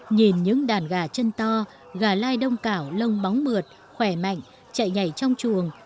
nhìn những đàn gà chân to gà lai đông cảo lông bóng mượt khỏe mạnh chạy nhảy trong chuồng